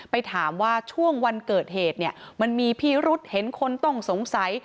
ไปถามว่าช่วงวันเกิดเหตุเนี่ยมันมีพิรุษเห็นคนต้องสงสัย